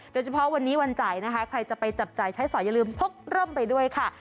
โดยเฉพาะวันนี้วันจ่ายนะคะใครจะไปจับจ่ายใช้สอยอย่าลืมพกร่มไปด้วยค่ะ